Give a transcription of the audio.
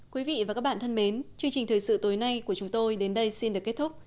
quý vị và các bạn thân mến chương trình thời sự tối nay của chúng tôi đến đây xin được kết thúc